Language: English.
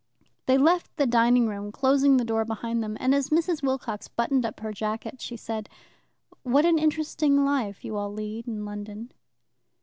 They left the dining room, closing the door behind them, and as Mrs. Wilcox buttoned up her jacket, she said: "What an interesting life you all lead in London!"